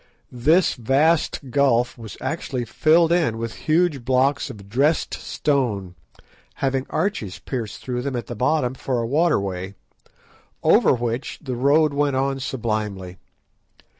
This vast gulf was actually filled in with huge blocks of dressed stone, having arches pierced through them at the bottom for a waterway, over which the road went on sublimely.